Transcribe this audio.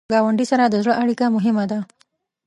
ګاونډي سره د زړه اړیکه مهمه ده